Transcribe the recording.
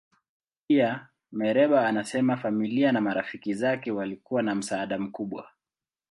Pia, Mereba anasema familia na marafiki zake walikuwa na msaada mkubwa.